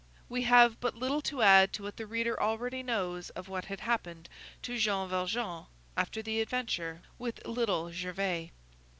We have but little to add to what the reader already knows of what had happened to Jean Valjean after the adventure with Little Gervais.